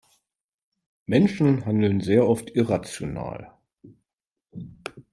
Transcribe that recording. Menschen handeln sehr oft irrational.